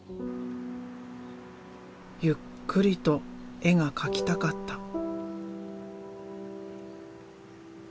ゆっくりと絵が描きたかった。